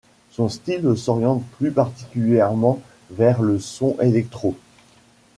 Son style s'oriente plus particulièrement vers le son electro.